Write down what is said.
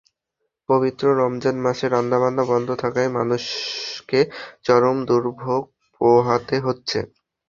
পবিত্র রমজান মাসে রান্নাবান্না বন্ধ থাকায় মানুষকে চরম দুর্ভোগ পোহাতে হচ্ছে।